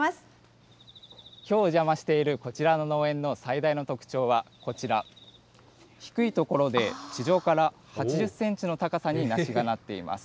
きょう、お邪魔しているこちらの農園の最大の特徴はこちら、低い所で地上から８０センチの高さに梨がなっています。